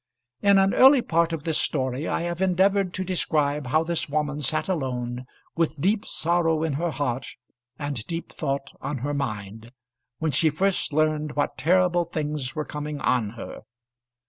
In an early part of this story I have endeavoured to describe how this woman sat alone, with deep sorrow in her heart and deep thought on her mind, when she first learned what terrible things were coming on her.